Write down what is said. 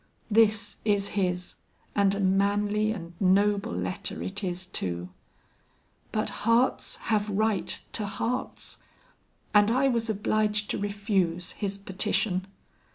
This is his, and a manly and noble letter it is too; but hearts have right to hearts, and I was obliged to refuse his petition."